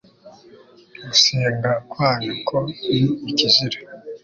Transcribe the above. gusenga kwanyu ko ni ikizira